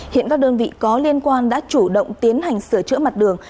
hiện các đơn vị có liên quan đã chủ động tiến hành sửa chữa mặt đường